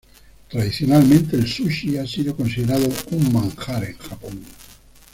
Tradicionalmente el sushi ha sido considerado un manjar en Japón.